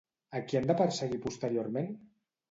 A qui han de perseguir posteriorment?